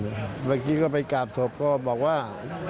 เมื่อกี้ก็ไปกราบศพก็บอกว่า